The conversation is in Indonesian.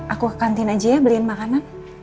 aku kantin aja ya beliin makanan